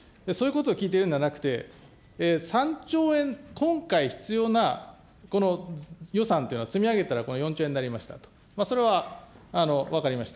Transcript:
そういうこと聞いてるんではなくて、３兆円、今回必要なこの予算というのは、積み上げたらこの４兆円になりましたと、それは分かりました。